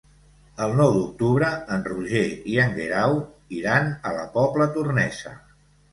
El nou d'octubre en Roger i en Guerau iran a la Pobla Tornesa.